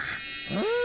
うん！